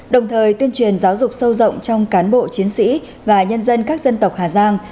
đồng thời tuyên truyền giáo dục sâu rộng trong cán bộ chiến sĩ và nhân dân các dân tộc hà giang